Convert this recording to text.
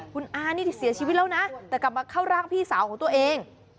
คุณอานี่เสียชีวิตแล้วนะแต่กลับมาเข้าร่างพี่สาวของตัวเอง